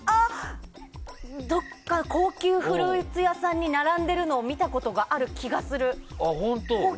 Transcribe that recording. どこか、高級フルーツ屋さんに並んでいるのを見たことがある気がする。